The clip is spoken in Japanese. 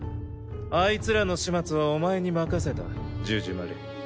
あいつらの始末はお前に任せたジュジュマル。